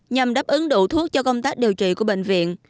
nhằm đáp ứng đủ thuốc cho công tác điều trị của bệnh viện